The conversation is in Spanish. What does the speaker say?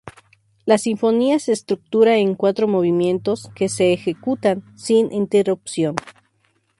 La sinfonía se estructura en cuatro movimientos, que se ejecutan sin interrupción.